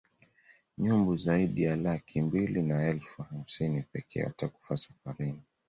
Nyumbu zaidi ya laki mbili na elfu hamsini pekee watakufa safarini